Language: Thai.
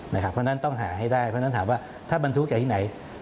เพราะฉะนั้นต้องหาให้ได้เพราะฉะนั้นถามว่าถ้าบรรทุกจากที่ไหน